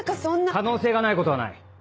可能性がないことはない。